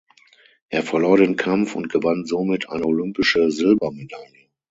Er verlor den Kampf und gewann somit eine olympische Silbermedaille.